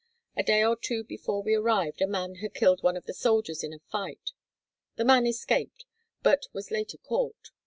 A day or two before we arrived a man had killed one of the soldiers in a fight. The man escaped, but was later caught.